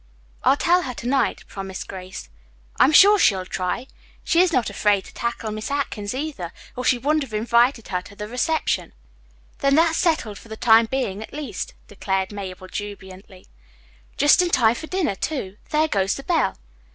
"I'll tell her to night," promised Grace. "I'm sure she'll try. She is not afraid to tackle Miss Atkins, either, or she wouldn't have invited her to the reception." "Then that's settled for the time being at least," declared Mabel jubilantly. "Just in time for dinner, too. There goes the bell."